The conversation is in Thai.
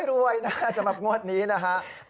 ขอให้รวยนะจำหับงวดนี้นะฮะ